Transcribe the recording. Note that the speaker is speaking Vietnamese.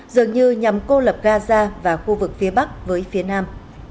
dường như nhằm cô lập gaza và khu vực phía bắc với phía nam